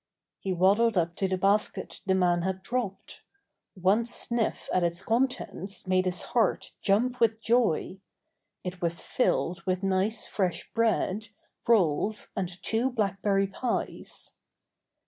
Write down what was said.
He waddled up to the basket the man had dropped. One sniff at its contents made his heart jump with joy. It was filled with nice fresh bread, rolls, and two blackberry pies.